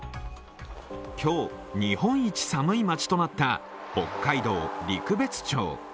今日、日本一寒い町となった北海道陸別町。